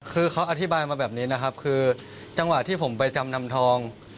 คือเขาอธิบายมาแบบนี้นะครับคือจังหวะที่ผมไปจำนำทอง